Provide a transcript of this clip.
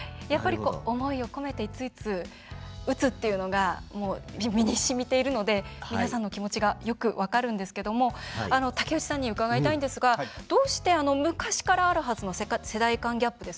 思いを込めて打つっていうのが身にしみているので皆さんの気持ちがよく分かるんですけども竹内さんに伺いたいんですがどうして昔からあるはずの世代間ギャップ